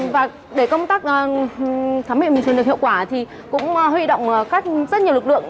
và để công tác khám nghiệm hiện trường được hiệu quả thì cũng huy động rất nhiều lực lượng